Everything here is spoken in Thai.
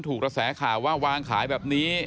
กระแสข่าวว่าวางขายแบบนี้